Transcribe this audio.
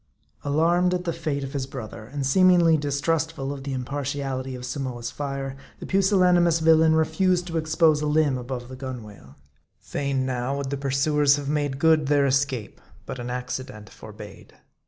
Alarmed at the fate of his brother, and seemingly distrustful of the impartiality of Samoa's fire, the pusillani mous villain refused to expose a limb above the gunwale. Fain now would the pursuers have made good their escape ; but an accident forbade.